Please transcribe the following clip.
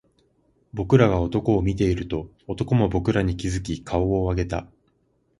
僕らが男を見ていると、男も僕らに気付き顔を上げた